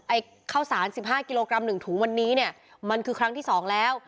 ไอ้เข้าสานสิบห้ากิโลกรัมหนึ่งถุงวันนี้เนี่ยมันคือครั้งที่สองแล้ว